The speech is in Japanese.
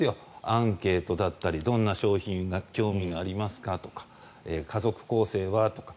アンケートだったりどんな商品に興味がありますかとか家族構成は？とか。